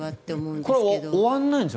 これ終わらないんですよね